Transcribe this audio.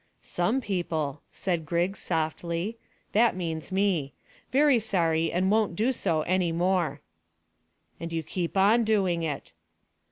"`Some people,'" said Griggs softly. "That means me. Very sorry, and won't do so any more." "And you keep on doing it."